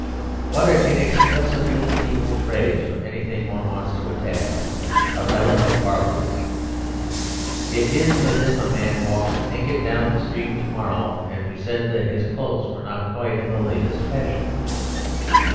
What an inexpressibly feeble phrase for anything one wants to attack a relic of barbarism! It is as if a man walked naked down the street to morrow, and we said that his clothes were not quite in the latest fashion.